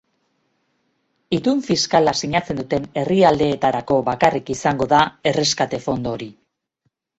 Itun fiskala sinatzen duten herrialdeetarako bakarrik izango da erreskate fondo hori.